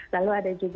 lalu ada juga